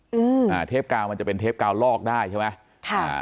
อืมอ่าเทปกาวมันจะเป็นเทปกาวลอกได้ใช่ไหมค่ะ